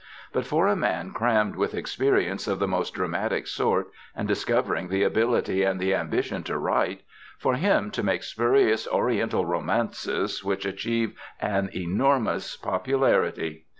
But for a man crammed with experience of the most dramatic sort and discovering the ability and the ambition to write for him to make spurious oriental romances which achieve an enormous popularity!